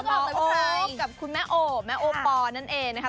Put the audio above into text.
อ่าม้อโอ๊กกับคุณแม่โอแม่โอปอนั่นเองนะฮะ